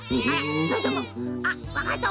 それともわかった。